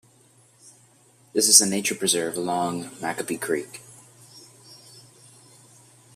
There is a nature preserve along Macoby Creek.